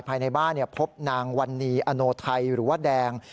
ภายในบ้านพบนางวันนีอโนไทยหรือว่าแดง